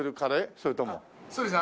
そうですね。